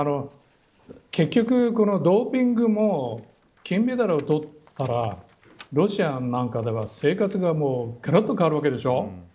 結局、このドーピングも金メダルを取ったらロシアなんかでは生活ががらッと変わるわけでしょ。